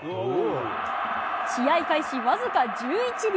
試合開始僅か１１秒。